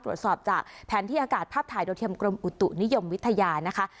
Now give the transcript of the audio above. ตรวจสอบจากแผนที่อากาศภาพถ่ายโดยเทียมกรมอุตุนิยมวิทยานะคะ